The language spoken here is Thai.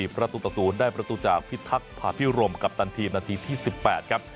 ประตูต่อ๐ได้ประตูจากพิทักษาพิรมกัปตันทีมนาทีที่๑๘ครับ